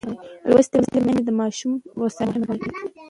لوستې میندې د ماشوم هوساینه مهمه ګڼي.